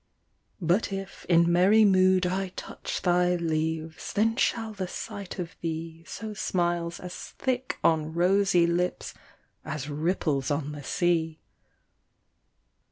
But if in merry mood I touch Thy leaves, then shall the sight of thee Sow smiles as thick on rosy lips As ripples on the sea.